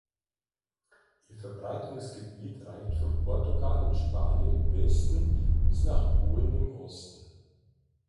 Ihr Verbreitungsgebiet reicht von Portugal und Spanien im Westen bis nach Polen im Osten.